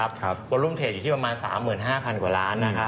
บลูมเทจอยู่ที่ประมาณ๓๕๐๐๐กว่าร้อน